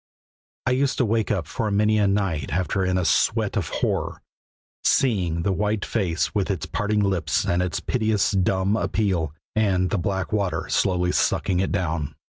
I used to wake up for many a night after in a sweat of horror, seeing the white face with its parting lips and its piteous, dumb appeal, and the black water slowly sucking it down.